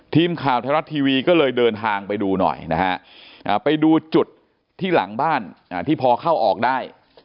ทีมข่าวไทยรัฐทีวีก็เลยเดินทางไปดูหน่อยนะฮะไปดูจุดที่หลังบ้านที่พอเข้าออกได้